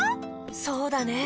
そうだね。